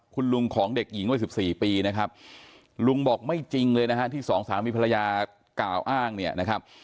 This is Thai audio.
คุณลุงของเด็กหญิงวัย๑๔ปีนะครับลุงบอกไม่จริงเลยนะฮะที่สองสามีภรรยากล่าวอ้างเนี่ยนะครับ